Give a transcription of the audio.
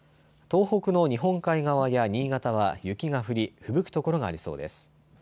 東北の日本海側や新潟は雪が降りふぶく所がありそうです。